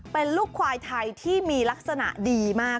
เป็นลูกควายไทยที่มีลักษณะดีมาก